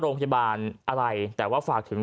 โรงพยาบาลอะไรแต่ว่าฝากถึง